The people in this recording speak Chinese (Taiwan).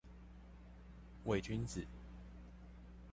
偽君子